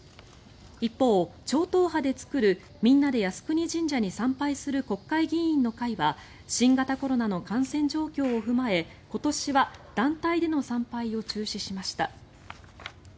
一方、超党派で作るみんなで靖国神社に参拝する国会議員の会は新型コロナの感染状況を踏まえ今年は団体での参拝を中止しました。